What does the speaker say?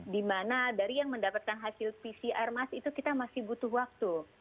di mana dari yang mendapatkan hasil pcr itu kita masih butuh waktu